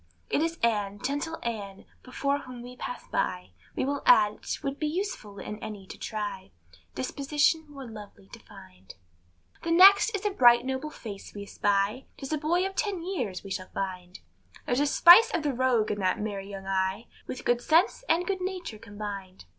It is Ann, gentle Ann, before whom we pass by, We will add 't would be useless in any to try Disposition more lovely to find. The next is a bright noble face we espy, 'Tis a boy of ten years we shall find; There's a spice of the rogue in that merry young eye, With good sense and good nature combined.